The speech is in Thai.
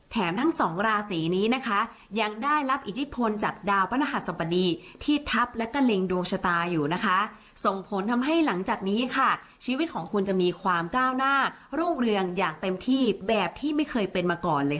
แถมทั้ง๒ราศรีนี้นะคะยังได้รับอิทธิพลจากดาวพระนหัสสมบดีที่ทัพและกระลิงดวงชะตาอยู่นะคะ